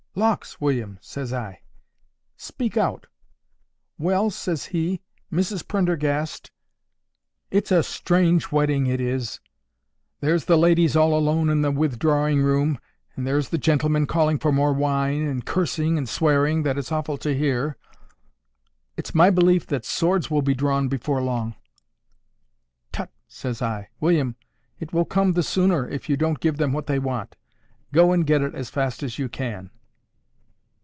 "Lawks, William," says I, "speak out."—"Well," says he, "Mrs Prendergast, it's a strange wedding, it is! There's the ladies all alone in the withdrawing room, and there's the gentlemen calling for more wine, and cursing and swearing that it's awful to hear. It's my belief that swords will be drawn afore long."—"Tut!" says I, "William, it will come the sooner if you don't give them what they want. Go and get it as fast as you can."